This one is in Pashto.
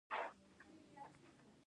د اوږدې مودې لپاره انسان خواړه راټولول.